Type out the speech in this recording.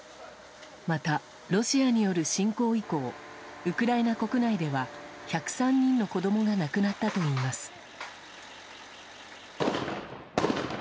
また、ロシアによる侵攻以降ウクライナ国内では１０３人の子供が亡くなったといいます。